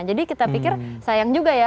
jadi kita pikir sayang juga ya